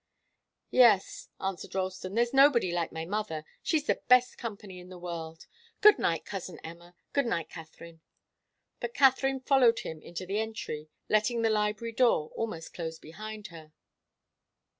"Yes," answered Ralston. "There's nobody like my mother. She's the best company in the world. Good night, cousin Emma. Good night, Katharine." But Katharine followed him into the entry, letting the library door almost close behind her.